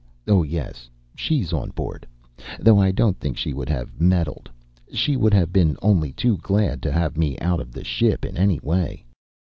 Oh, yes! she's on board. Though I don't think she would have meddled. She would have been only too glad to have me out of the ship in any way.